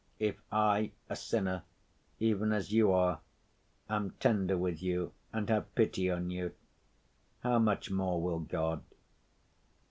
If I, a sinner, even as you are, am tender with you and have pity on you, how much more will God.